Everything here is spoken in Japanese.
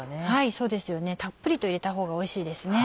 そうですよねたっぷりと入れたほうがおいしいですね。